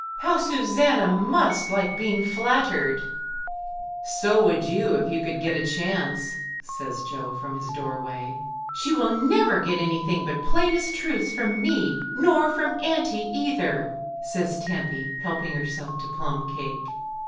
How Susanna must like being flattered!" 150 'MRS. DYMOND. "So would you if you could get a chance/' says Jo from his doorway. "She will never get anything but plainest truths from me nor from auntie either," says Tempy, help ing herself to plum cake.